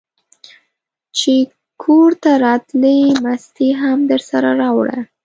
چې کورته راتلې مستې هم درسره راوړه!